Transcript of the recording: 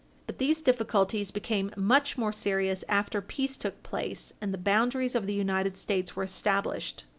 But these difficulties became much more serious after peace took place, and the boundaries of the United States were established.